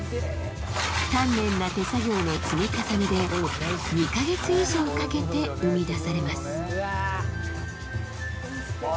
丹念な手作業の積み重ねで２か月以上かけて生み出されますうわ！